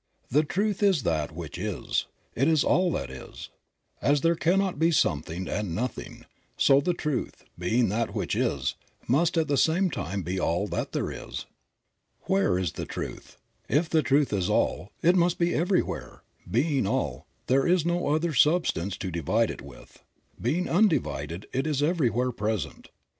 The Truth is that which is. It is all that is. As there cannot be something and nothing, so the Truth, being that which is, must at the same time be all that there is. Where is the Truth? If the Truth is All, it must be everywhere; being all, there is no other substance to divide it with; being undi vided, it is everywhere present.